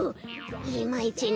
いまいちね。